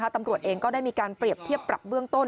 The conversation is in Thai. ตำรวจเองก็ได้มีการเปรียบเทียบปรับเบื้องต้น